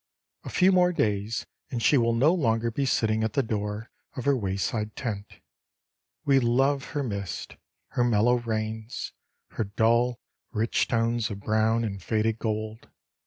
A few more days and she will no longer be sitting at the door of her wayside tent. We love her mists, her mellow rains, her dull, rich tones of brown and faded gold.